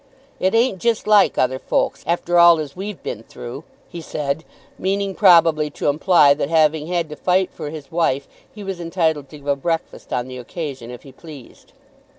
"It ain't jist like other folks, after all as we've been through," said he, meaning probably to imply that having had to fight for his wife, he was entitled to give a breakfast on the occasion if he pleased.